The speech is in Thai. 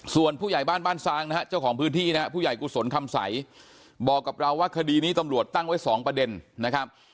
ส่วนผู้ใหญ่บ้านบ้านซางนะฮะเจ้าของพื้นที่นะครับผู้ใหญ่กุศลคำใสบอกกับเราว่าคดีนี้ตำรวจตั้งไว้สองประเด็นนะครับ